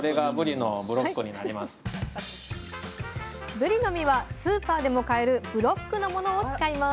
ぶりの身はスーパーでも買えるブロックのものを使います